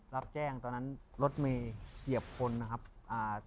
รับแจ้งตอนนั้นรถเหียียบคนนะครับ